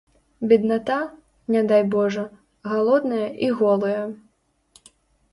Бедната, не дай божа, галодныя і голыя.